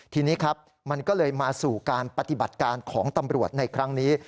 ทีนี้ครับมันก็เลยมาสู่การปฏิบัติการของตำรวจในครั้งนี้